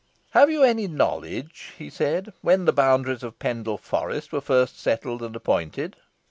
"Have you any knowledge," he said, "when the boundaries of Pendle Forest were first settled and appointed?"